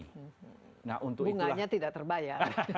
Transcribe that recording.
bunganya tidak terbayar